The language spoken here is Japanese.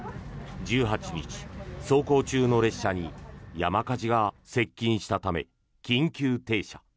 １８日、走行中の列車に山火事が接近したため緊急停車。